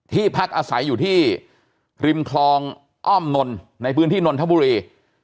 พักอาศัยอยู่ที่ริมคลองอ้อมนนในพื้นที่นนทบุรี